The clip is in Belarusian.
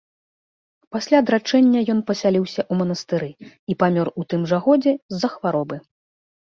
Пасля адрачэння ён пасяліўся ў манастыры і памёр у тым жа годзе з-за хваробы.